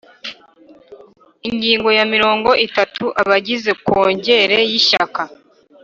Ingingo ya mirongo itatu Abagize Kongere y Ishyaka